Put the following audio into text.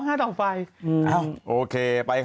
ะฮ่าทีนึง